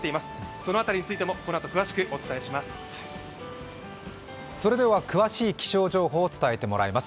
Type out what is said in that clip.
その辺りについてもこのあと詳しくお伝えします。